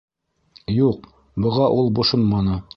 Юҡ, быға ул бошонманы.